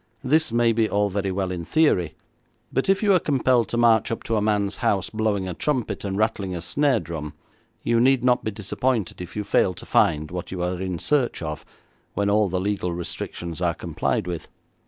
This may be all very well in theory, but if you are compelled to march up to a man's house, blowing a trumpet, and rattling a snare drum, you need not be disappointed if you fail to find what you are in search of when all the legal restrictions are complied with.